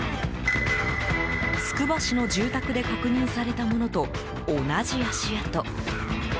つくば市の住宅で確認されたものと同じ足跡。